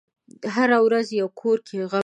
هره ورځ یو کور کې غم وي.